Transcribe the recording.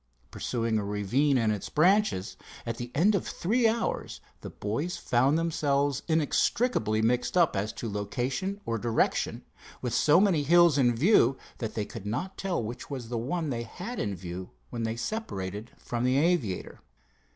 Pursuing a ravine and its branches, at the end of three hours the boys found themselves inextricably mixed up as to location or direction, with so many hills in view that they could not tell which was the one they had had in view when they separated from the aviator.